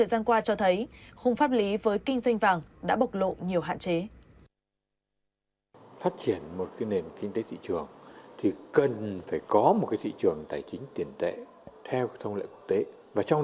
đã cho thấy khung pháp lý với kinh doanh vàng